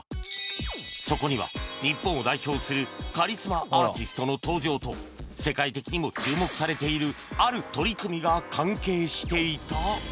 そこには日本を代表するカリスマアーティストの登場と世界的にも注目されているある取り組みが関係していた？